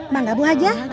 bangga bu haja